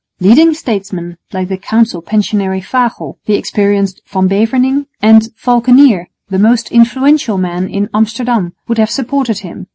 Leading statesmen like the Council Pensionary Fagel, the experienced Van Beverningh, and Valckenier, the most influential man in Amsterdam, would have supported him.